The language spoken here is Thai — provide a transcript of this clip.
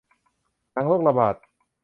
หนังโรคระบาด